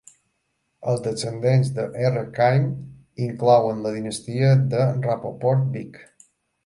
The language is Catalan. Els descendents de R. Khaim inclouen la dinastia de Rapoport-Bick.